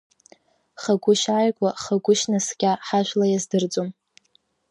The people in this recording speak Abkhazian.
Хагәышь ааигәа, Хагәышь наскьа ҳажәла иаздырӡом.